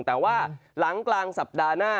แต่ว่าหลังกลางสัปดาห์หน้า